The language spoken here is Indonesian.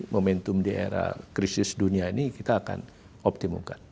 momentum di era krisis dunia ini kita akan optimumkan